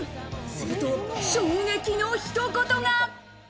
すると衝撃の一言が。